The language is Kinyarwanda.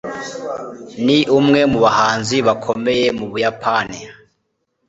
ni umwe mu bahanzi bakomeye mu buyapani